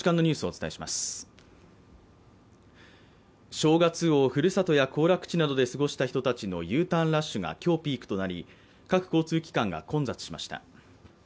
正月をふるさとや行楽地などで過ごした人たちのＵターンラッシュが今日ピークとなり、各交通機関が混雑しました。